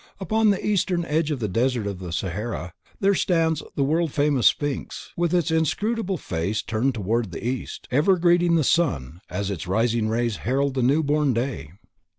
Upon the Eastern edge of the Desert of Sahara there stands the world famous Sphinx with its inscrutable face turned toward the East, ever greeting the sun as its rising rays herald the newborn day.